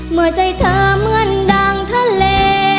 เมื่อใจเธอเหมือนดังทะเล